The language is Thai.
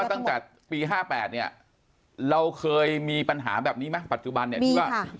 ตั้งแต่ปี๕๘เราเคยมีปัญหาแบบนี้ไหมปัจจุบันนี้